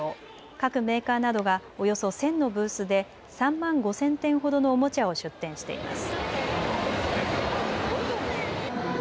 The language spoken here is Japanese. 各メーカーなどがおよそ１０００のブースで３万５０００点ほどのおもちゃを出展しています。